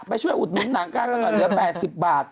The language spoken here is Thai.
ไปช่วยอุดมิ้นหนังกล้างก่อนเหลือ๘๐บาท